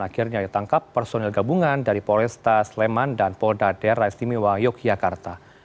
akhirnya ditangkap personil gabungan dari polresta sleman dan polda daerah istimewa yogyakarta